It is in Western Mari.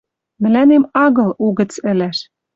«Мӹлӓнем агыл угӹц ӹлӓш